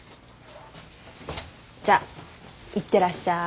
じゃいってらっしゃい。